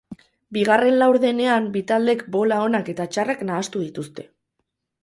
Bigarren laudenean bi taldeek bola onak eta txarrak nahastu dituzte.